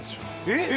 えっ？